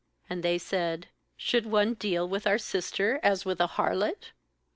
31And they said: 'Should one deal with our sister as with a harlot?'